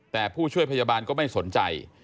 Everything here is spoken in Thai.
แต่ผู้ช่วยพยาบาลก็ไม่สนใจ